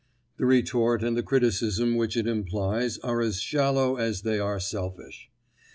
The retort and the criticism which it implies are as shallow as they are selfish.